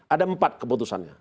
ada empat keputusannya